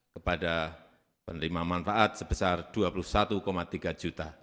kepada penerima manfaat sebesar rp dua puluh satu tiga juta